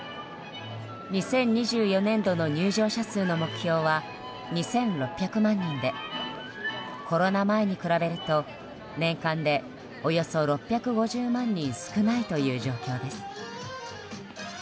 ２０２４年度の入場者数の目標は２６００万人でコロナ前に比べると年間でおよそ６５０万人少ないという状況です。